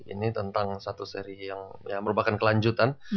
ini tentang satu seri yang merupakan kelanjutan